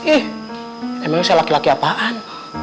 eh emang ini si laki laki apaan